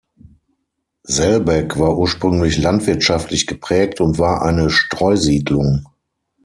Selbeck war ursprünglich landwirtschaftlich geprägt und war eine Streusiedlung.